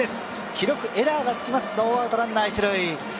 記録、エラーがつきます、ノーアウト、ランナー一塁。